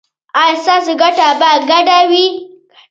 ایا ستاسو ګټه به ګډه وي؟